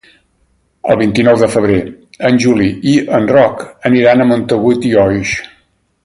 El vint-i-nou de febrer en Juli i en Roc aniran a Montagut i Oix.